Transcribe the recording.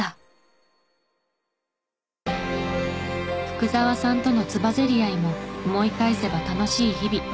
福澤さんとのつばぜり合いも思い返せば楽しい日々。